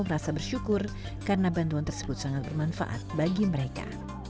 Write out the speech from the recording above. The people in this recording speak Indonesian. merasa bersyukur karena bantuan tersebut sangat bermanfaat bagi mereka